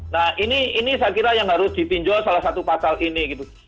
nah ini saya kira yang harus dipinjau salah satu pasal ini gitu